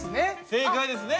正解ですね。